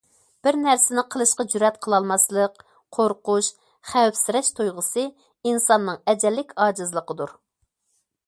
بىر نەرسىنى قىلىشقا جۈرئەت قىلالماسلىق، قورقۇش، خەۋپسىرەش تۇيغۇسى ئىنساننىڭ ئەجەللىك ئاجىزلىقىدۇر.